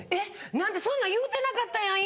何でそんなん言うてなかったやん今。